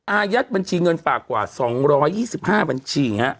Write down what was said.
อายัดบัญชีเงินฝากกว่า๒๒๕บัญชี